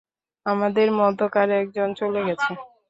আমাদের মধ্যকার একজন চলে গেছে।